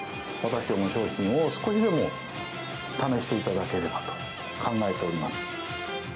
私どもの商品を少しでも試していただければと考えております。